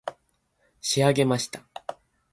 仕上げました